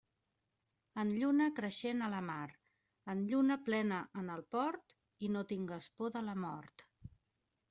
En lluna creixent a la mar, en lluna plena en el port i no tingues por de la mort.